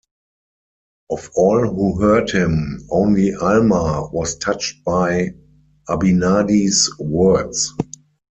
Of all who heard him, only Alma was touched by Abinadi's words.